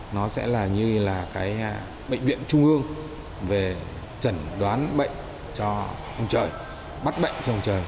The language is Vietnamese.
nó sẽ như là bệnh viện trung ương về trần đoán bệnh cho ông trời bắt bệnh cho ông trời